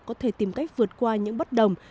có thể tìm cách vượt qua những bất đồng